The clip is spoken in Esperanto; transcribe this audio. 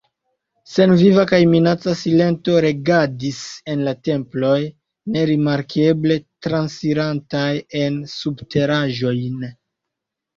Senviva kaj minaca silento regadis en la temploj, nerimarkeble transirantaj en subteraĵojn.